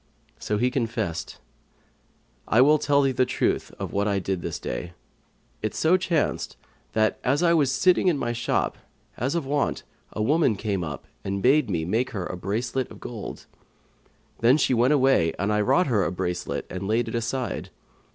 So he confessed, "I will tell thee the truth of what I did this day. It so chanced that, as I was sitting in my shop, as of wont, a woman came up to me and bade me make her a bracelet of gold. Then she went away and I wrought her a bracelet and laid it aside.